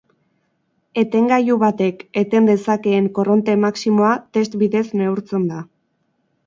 Etengailu batek eten dezakeen korronte maximoa test bidez neurtzen da.